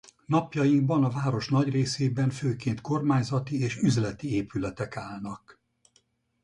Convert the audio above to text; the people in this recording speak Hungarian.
Napjainkban a város nagy részében főként kormányzati és üzleti épületek állnak.